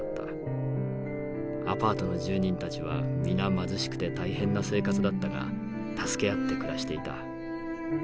アパートの住人たちは皆貧しくて大変な生活だったが助け合って暮らしていた。